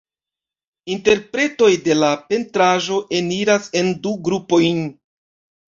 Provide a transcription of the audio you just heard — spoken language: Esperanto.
Interpretoj de la pentraĵo eniras en du grupojn.